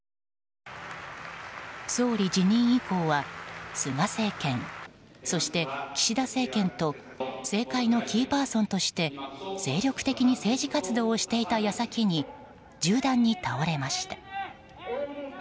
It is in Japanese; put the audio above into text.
総理辞任以降は菅政権そして岸田政権と政界のキーパーソンとして精力的に政治活動をしていた矢先に銃弾に倒れました。